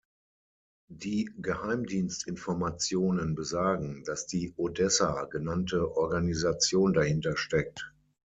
Die Geheimdienstinformationen besagen, dass die "Odessa" genannte Organisation dahinter steckt.